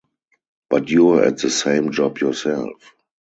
But you're at the same job yourself.